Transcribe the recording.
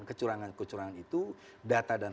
kecurangan kecurangan itu data dan